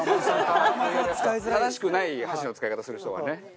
正しくない箸の使い方する人はね。